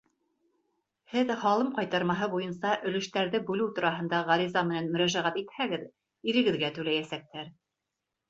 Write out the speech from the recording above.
Һеҙ һалым ҡайтармаһы буйынса өлөштәрҙе бүлеү тураһында ғариза менән мөрәжәғәт итһәгеҙ, ирегеҙгә түләйәсәктәр.